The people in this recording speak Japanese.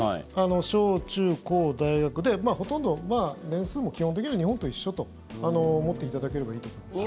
小、中、高、大学でほとんど年数も基本的には日本と一緒と思っていただければいいと思います。